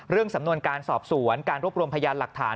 สำนวนการสอบสวนการรวบรวมพยานหลักฐาน